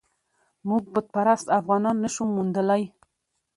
موږ بت پرست افغانان نه شو موندلای.